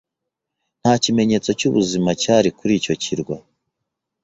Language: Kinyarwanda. Nta kimenyetso cy'ubuzima cyari kuri icyo kirwa